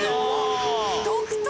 独特！